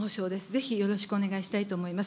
ぜひよろしくお願いしたいと思います。